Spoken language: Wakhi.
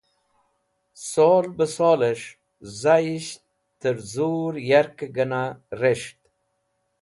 Sol bẽ solẽs̃h zayis̃h tẽr zur yarkẽ gẽna res̃ht.